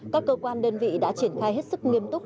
các cơ quan đơn vị đã triển khai hết sức nghiêm túc